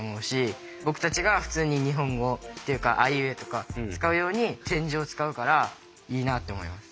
僕たちが普通に日本語っていうか「あいうえお」とか使うように点字を使うからいいなって思います。